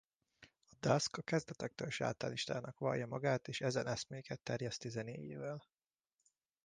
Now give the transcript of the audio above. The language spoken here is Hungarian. A Dusk a kezdetektől sátánistának vallja magát és ezen eszméket terjeszti a zenéjével.